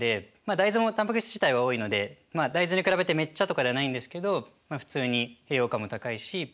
大豆もたんぱく質自体は多いのでまあ大豆に比べてめっちゃとかではないんですけど普通に栄養価も高いし。